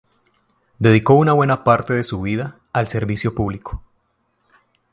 Dedicó una buena parte de su vida al servicio público.